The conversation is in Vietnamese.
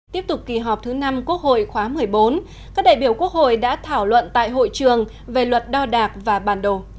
tiếp tục kỳ họp thứ năm quốc hội khóa một mươi bốn các đại biểu quốc hội đã thảo luận tại hội trường về luật đo đạc và bản đồ